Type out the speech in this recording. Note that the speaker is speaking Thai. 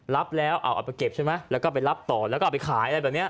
รับแล้วเอาไปเก็บใช่ไหมแล้วก็ไปรับต่อแล้วก็เอาไปขายอะไรแบบนี้